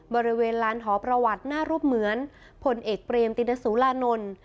บริเวณลานหอประวัติหน้ารูปเหมือนผลเอกเปรมตินสุรานนท์